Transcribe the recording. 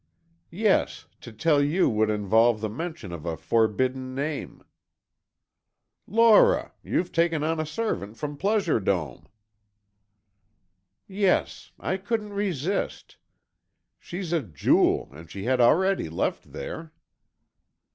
"Yes. To tell you would involve the mention of a forbidden name——" "Lora! You've taken on a servant from Pleasure Dome!" "Yes. I couldn't resist. She's a jewel, and she had already left there."